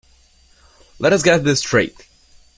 Let us get this straight.